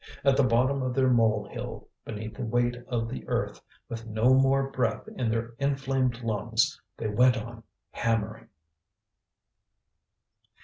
At the bottom of their mole hill, beneath the weight of the earth, with no more breath in their inflamed lungs, they went on hammering.